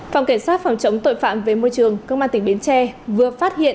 phòng kiểm soát phòng chống tội phạm về môi trường công an tỉnh bến tre vừa phát hiện